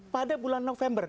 pada bulan november